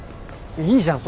いいじゃん